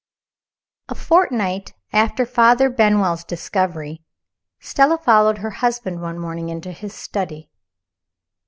A FORTNIGHT after Father Benwell's discovery, Stella followed her husband one morning into his study.